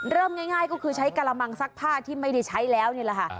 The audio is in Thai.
เริ่มง่ายก็คือใช้กระมังซักผ้าที่ไม่ได้ใช้แล้วนี่แหละค่ะ